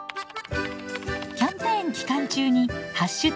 キャンペーン期間中に＃